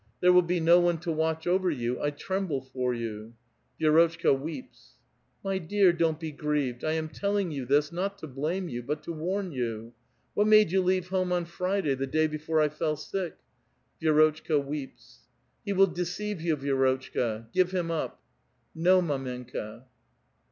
There will be no one to watch over 3'ou. I tremble for you." Vi6 rotchka weeps. *' My dear, don't be grieved; I am telling j ou this, not to blame you, but to warn you. What made you leave home on Friday, the da}' before I fell sick? " Vi^rotchka weeps. ''He will deceive you, Vi^rotchka. Give him up." " No, mdmenka.'